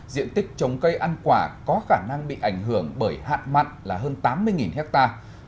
diện tích trồng cây ăn quả có khả năng bị ảnh hưởng bởi hạn mặn là hơn tám mươi hectare